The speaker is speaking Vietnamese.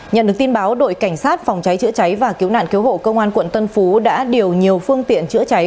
nhận được tin báo đội cảnh sát phòng cháy chữa cháy và cứu nạn cứu hộ công an quận tân phú đã điều nhiều phương tiện chữa cháy